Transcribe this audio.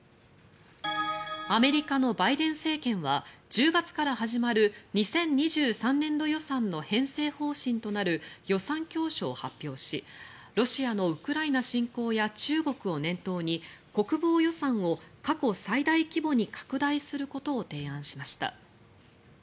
アメリカのバイデン政権は１０月から始まる２０２３年度予算の編成方針となる予算教書を発表しロシアのウクライナ侵攻や中国を念頭に国防予算を過去最大規模に拡大することを提案しました。